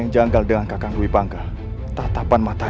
jangan tinggalkan di pangga bu